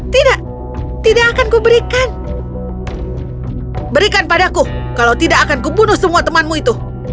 tidak tidak akan kuberikan berikan padaku kalau tidak akan kubunuh semua temanmu itu